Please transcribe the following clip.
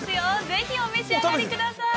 ぜひお召し上がり下さい。